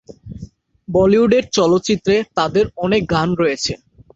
বলিউডের চলচ্চিত্রে তাদের অনেক গান রয়েছে।